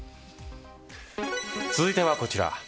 続いてはこちら。